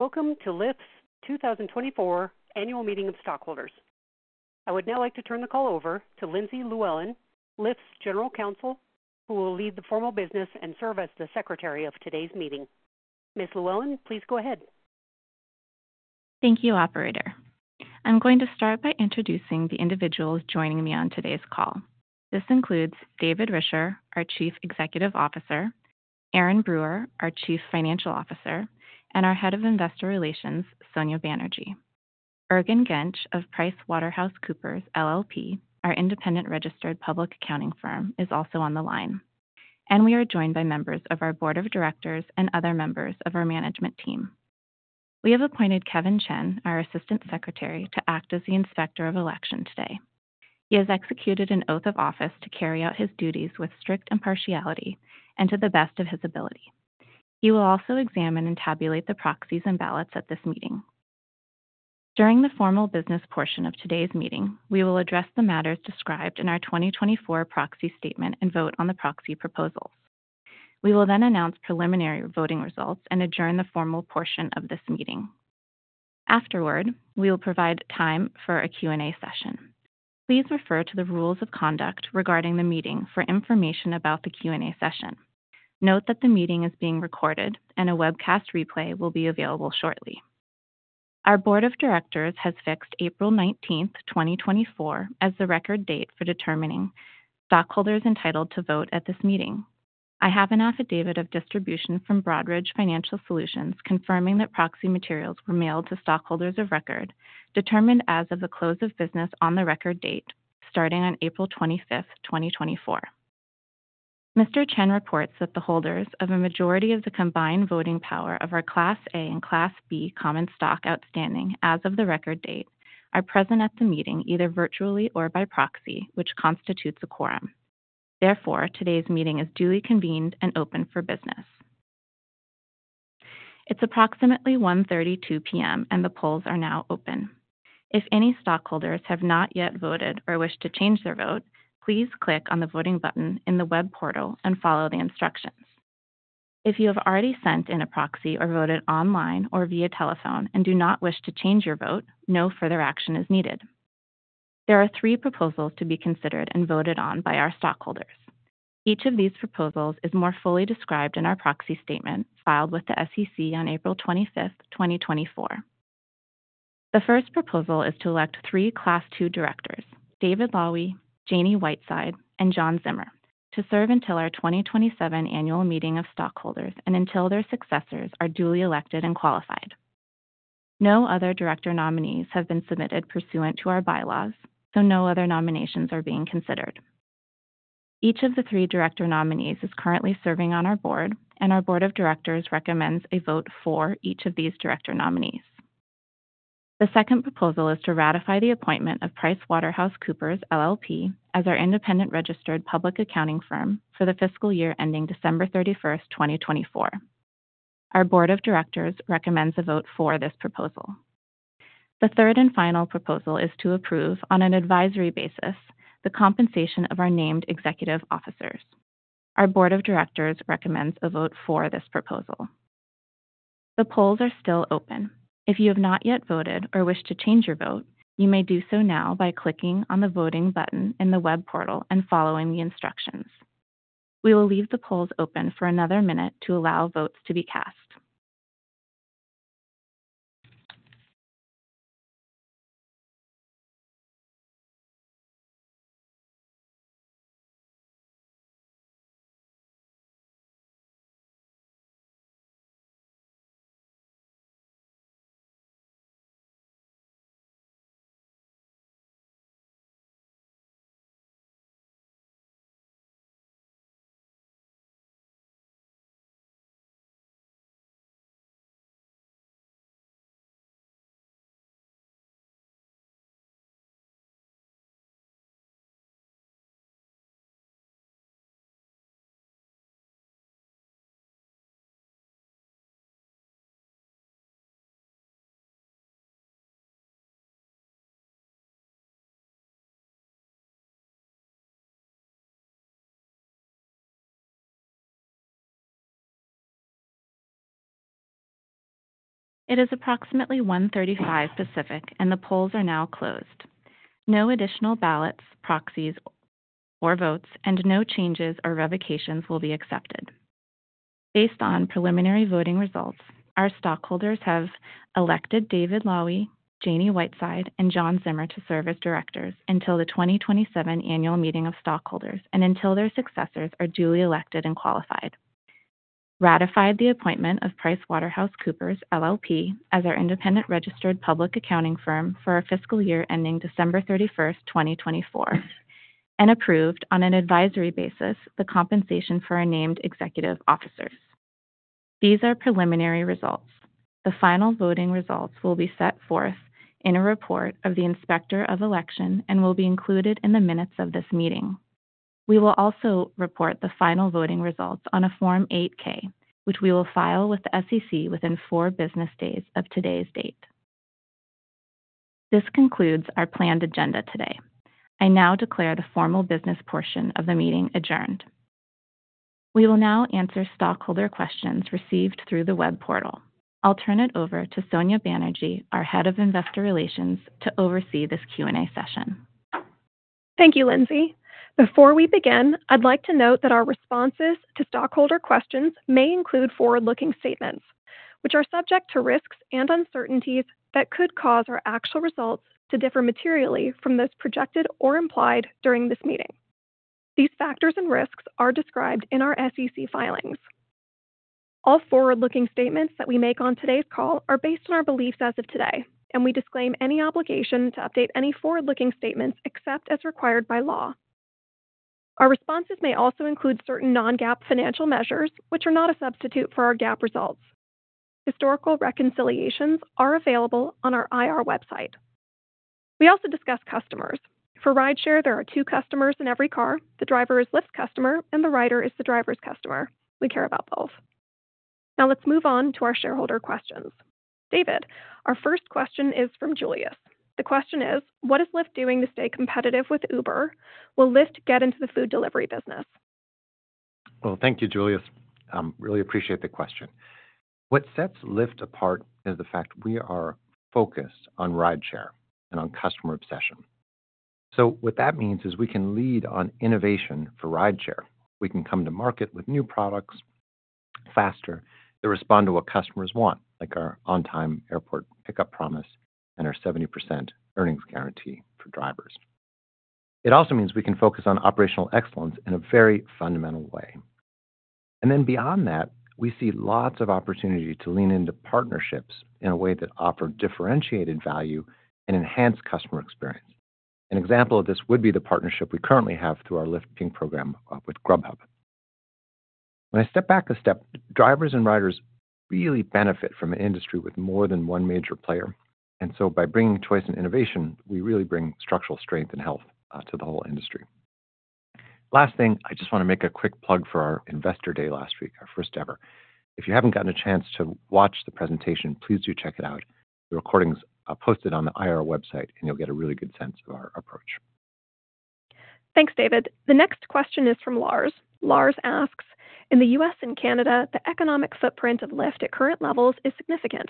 Welcome to Lyft's 2024 Annual Meeting of Stockholders. I would now like to turn the call over to Lindsay Llewellyn, Lyft's General Counsel, who will lead the formal business and serve as the Secretary of today's meeting. Ms. Llewellyn, please go ahead. Thank you, operator. I'm going to start by introducing the individuals joining me on today's call. This includes David Risher, our Chief Executive Officer, Erin Brewer, our Chief Financial Officer, and our Head of Investor Relations, Sonya Banerjee. Ergun Genc of PricewaterhouseCoopers LLP, our independent registered public accounting firm, is also on the line, and we are joined by members of our board of directors and other members of our management team. We have appointed Kevin Chen, our Assistant Secretary, to act as the Inspector of Election today. He has executed an oath of office to carry out his duties with strict impartiality and to the best of his ability. He will also examine and tabulate the proxies and ballots at this meeting. During the formal business portion of today's meeting, we will address the matters described in our 2024 proxy statement and vote on the proxy proposals. We will then announce preliminary voting results and adjourn the formal portion of this meeting. Afterward, we will provide time for a Q&A session. Please refer to the rules of conduct regarding the meeting for information about the Q&A session. Note that the meeting is being recorded, and a webcast replay will be available shortly. Our board of directors has fixed April 19, 2024, as the record date for determining stockholders entitled to vote at this meeting. I have an affidavit of distribution from Broadridge Financial Solutions, confirming that proxy materials were mailed to stockholders of record, determined as of the close of business on the record date, starting on April 25, 2024. Mr. Chen reports that the holders of a majority of the combined voting power of our Class A Common Stock and Class B Common Stock outstanding as of the record date are present at the meeting, either virtually or by proxy, which constitutes a quorum. Therefore, today's meeting is duly convened and open for business. It's approximately 1:32 P.M., and the polls are now open. If any stockholders have not yet voted or wish to change their vote, please click on the voting button in the web portal and follow the instructions. If you have already sent in a proxy or voted online or via telephone and do not wish to change your vote, no further action is needed. There are three proposals to be considered and voted on by our stockholders. Each of these proposals is more fully described in our proxy statement filed with the SEC on April 25, 2024. The first proposal is to elect three Class II directors, David Lawee, Janey Whiteside, and John Zimmer, to serve until our 2027 Annual Meeting of Stockholders and until their successors are duly elected and qualified. No other director nominees have been submitted pursuant to our bylaws, so no other nominations are being considered. Each of the three director nominees is currently serving on our board, and our board of directors recommends a vote for each of these director nominees. The second proposal is to ratify the appointment of PricewaterhouseCoopers LLP as our independent registered public accounting firm for the fiscal year ending December 31, 2024. Our board of directors recommends a vote for this proposal. The third and final proposal is to approve, on an advisory basis, the compensation of our named executive officers. Our board of directors recommends a vote for this proposal. The polls are still open. If you have not yet voted or wish to change your vote, you may do so now by clicking on the voting button in the web portal and following the instructions. We will leave the polls open for another minute to allow votes to be cast. It is approximately 1:35 P.M. Pacific, and the polls are now closed. No additional ballots, proxies, or votes, and no changes or revocations will be accepted. Based on preliminary voting results, our stockholders have elected David Lawee, Janey Whiteside, and John Zimmer to serve as directors until the 2027 Annual Meeting of Stockholders and until their successors are duly elected and qualified, ratified the appointment of PricewaterhouseCoopers LLP as our independent registered public accounting firm for our fiscal year ending December 31, 2024, and approved, on an advisory basis, the compensation for our named executive officers. These are preliminary results. The final voting results will be set forth in a report of the Inspector of Election and will be included in the minutes of this meeting. We will also report the final voting results on a Form 8-K, which we will file with the SEC within 4 business days of today's date.... This concludes our planned agenda today. I now declare the formal business portion of the meeting adjourned. We will now answer stockholder questions received through the web portal. I'll turn it over to Sonia Banerjee, our Head of Investor Relations, to oversee this Q&A session. Thank you, Lindsay. Before we begin, I'd like to note that our responses to stockholder questions may include forward-looking statements, which are subject to risks and uncertainties that could cause our actual results to differ materially from those projected or implied during this meeting. These factors and risks are described in our SEC filings. All forward-looking statements that we make on today's call are based on our beliefs as of today, and we disclaim any obligation to update any forward-looking statements, except as required by law. Our responses may also include certain non-GAAP financial measures, which are not a substitute for our GAAP results. Historical reconciliations are available on our IR website. We also discuss customers. For rideshare, there are two customers in every car. The driver is Lyft's customer, and the rider is the driver's customer. We care about both. Now, let's move on to our shareholder questions. David, our first question is from Julius. The question is: What is Lyft doing to stay competitive with Uber? Will Lyft get into the food delivery business? Well, thank you, Julius. Really appreciate the question. What sets Lyft apart is the fact we are focused on rideshare and on customer obsession. So what that means is we can lead on innovation for rideshare. We can come to market with new products faster, that respond to what customers want, like our On-Time Airport Pickup Promise and our 70% Earnings Guarantee for drivers. It also means we can focus on operational excellence in a very fundamental way. And then beyond that, we see lots of opportunity to lean into partnerships in a way that offer differentiated value and enhance customer experience. An example of this would be the partnership we currently have through our Lyft Pink program, with Grubhub. When I step back a step, drivers and riders really benefit from an industry with more than one major player, and so by bringing choice and innovation, we really bring structural strength and health to the whole industry. Last thing, I just want to make a quick plug for our Investor Day last week, our first ever. If you haven't gotten a chance to watch the presentation, please do check it out. The recording is posted on the IR website, and you'll get a really good sense of our approach. Thanks, David. The next question is from Lars. Lars asks: In the U.S. and Canada, the economic footprint of Lyft at current levels is significant.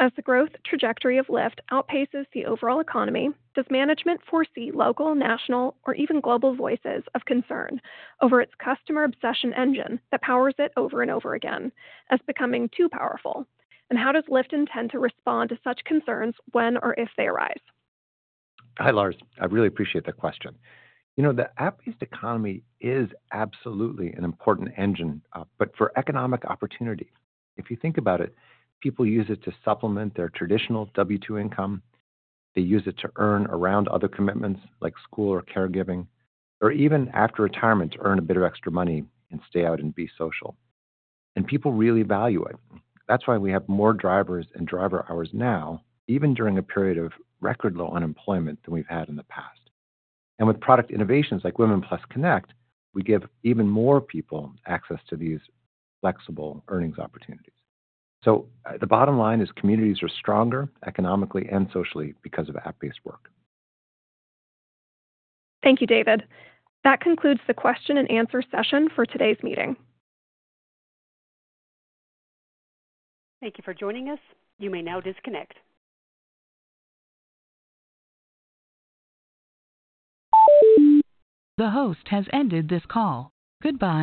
As the growth trajectory of Lyft outpaces the overall economy, does management foresee local, national, or even global voices of concern over its customer obsession engine that powers it over and over again as becoming too powerful? And how does Lyft intend to respond to such concerns when or if they arise? Hi, Lars. I really appreciate that question. You know, the app-based economy is absolutely an important engine, but for economic opportunity. If you think about it, people use it to supplement their traditional W-2 income. They use it to earn around other commitments, like school or caregiving, or even after retirement, to earn a bit of extra money and stay out and be social. People really value it. That's why we have more drivers and driver hours now, even during a period of record low unemployment, than we've had in the past. With product innovations like Women+ Connect, we give even more people access to these flexible earnings opportunities. The bottom line is, communities are stronger, economically and socially, because of app-based work. Thank you, David. That concludes the question and answer session for today's meeting. Thank you for joining us. You may now disconnect. The host has ended this call. Goodbye.